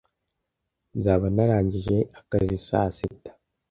Nzaba narangije akazi saa sita.